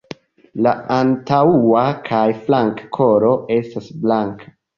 La antaŭa kaj flanka kolo estas blanka.